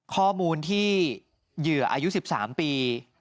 ข้อมูลที่เหยื่ออายุ๑๓ปี